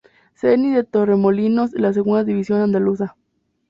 Zenit de Torremolinos de la Segunda División Andaluza.